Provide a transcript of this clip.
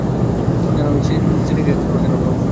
জানো আমি সিনেমা কেন ভালোবাসি?